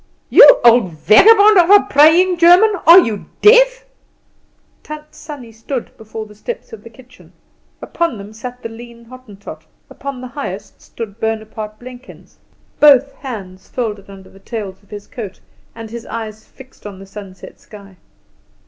"You old vagabond of a praying German, are you deaf?" Tant Sannie stood before the steps of the kitchen; upon them sat the lean Hottentot, upon the highest stood Bonaparte Blenkins, both hands folded under the tails of his coat, and his eyes fixed on the sunset sky.